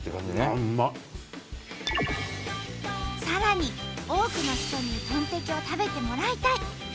さらに多くの人にトンテキを食べてもらいたい！